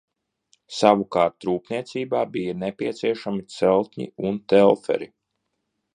Savukārt rūpniecībā bija nepieciešami celtņi un telferi.